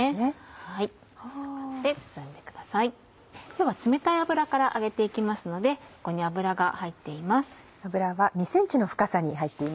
今日は冷たい油から揚げて行きますのでここに油が入っています。